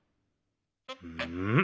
うん？